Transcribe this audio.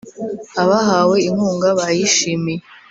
Abahawe inkunga bayishimiye